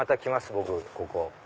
僕ここ。